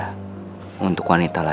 kenapa sih mama